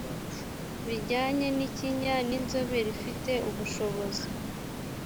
bijyanye n ikinya ni inzobere ifite ubushobozi